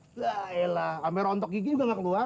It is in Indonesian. sampe rontok gigi juga gak keluar